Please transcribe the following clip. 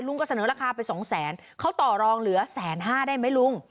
เสนอราคาไปสองแสนเขาต่อรองเหลือแสนห้าได้ไหมลุง